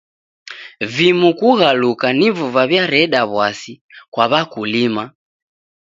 Vimu kughaluka nivo vaw'iareda w'asi kwa w'akulima.